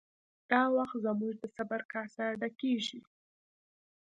دا وخت زموږ د صبر کاسه ډکیږي